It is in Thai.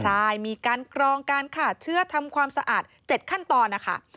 ใช่มีการกรองการขาดเชื้อทำความสะอาด๗ขั้นตอนนะคะ